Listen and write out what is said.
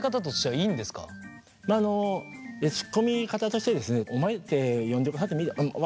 まあツッコミ方としてですねお前って呼んでくださってもいいよ